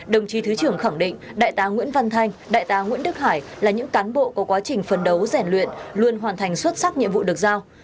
đồng chí thứ trưởng khẳng định đại tá nguyễn văn thanh đại tá nguyễn đức hải là những cán bộ có quá trình phân đấu rèn luyện luôn hoàn thành xuất sắc nhiệm vụ được giao